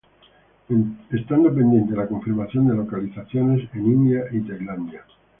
Estando pendiente la confirmación de localizaciones en India y Tailandia.